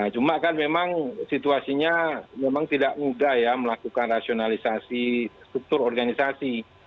cuma kan memang situasinya memang tidak mudah ya melakukan rasionalisasi struktur organisasi